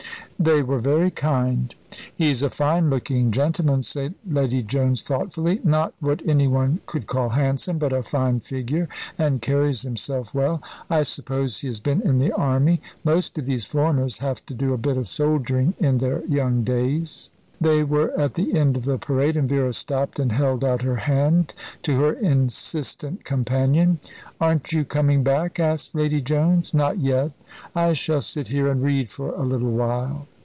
"They were very kind." "He's a fine looking man," said Lady Jones thoughtfully. "Not what anyone could call handsome; but a fine figure, and carries himself well. I suppose he has been in the Army. Most of these foreigners have to do a bit of soldiering in their young days." They were at the end of the parade, and Vera stopped, and held out her hand to her insistent companion. "Aren't you coming back?" asked Lady Jones. "Not yet. I shall sit here and read for a little while."